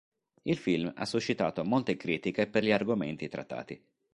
Il film ha suscitato molte critiche per gli argomenti trattati.